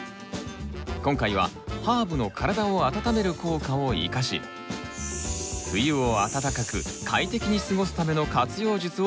今回はハーブの体を温める効果を生かし冬を暖かく快適に過ごすための活用術をご紹介します。